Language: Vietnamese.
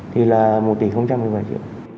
thì là một tỷ bảy triệu